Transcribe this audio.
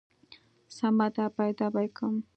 سمه ده پيدا به يې کم.